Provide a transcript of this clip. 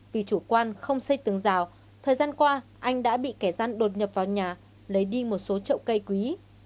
vì chủ quan không xây tường rào thời gian qua anh đã bị kẻ gian đột nhập vào nhà lấy đi một số trậu cây quý